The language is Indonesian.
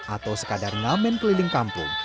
atau sekadar ngamen keliling kampung